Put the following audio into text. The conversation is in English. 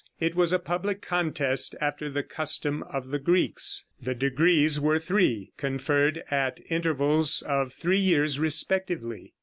It was a public contest, after the custom of the Greeks. The degrees were three, conferred at intervals of three years respectively.